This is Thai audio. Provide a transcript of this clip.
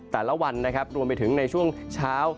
แต่ละวันนะครับรวมไปถึงในช่วงเช้า